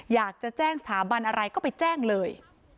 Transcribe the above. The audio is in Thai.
อยากจะแจ้งสถาบันอะไรก็ไปแจ้งเลย